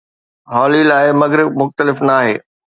هالي لاءِ، مغرب مختلف ناهي.